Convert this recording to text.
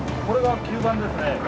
これが吸盤ですね。